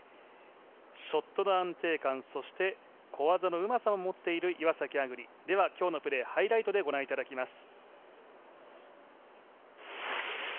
ショットの安定感そして小技のうまさを持っている岩崎亜久竜、では今日のプレーハイライトでご覧いただきます。